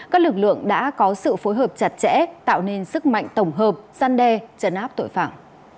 các lực lượng đã có sự phối hợp chặt chẽ tạo nên sức mạnh tổng hợp săn đe trấn áp tội phạm